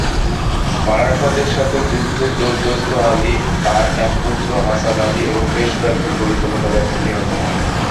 মারাঠাদের সাথে যুদ্ধে দোস্ত আলি, তার এক পুত্র হাসান আলি এবং বেশ কয়েকজন গুরুত্বপূর্ণ ব্যক্তি নিহত হন।